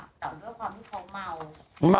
แต่ด้วยความที่เขาเมา